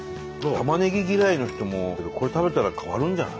たまねぎ嫌いの人もこれ食べたら変わるんじゃない？